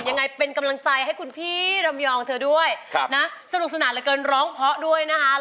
ยังไงเป็นกำลังใจให้คุณพี่ลำยองเธอด้วยนะสนุกสนานเหลือเกินร้องเพราะด้วยนะคะ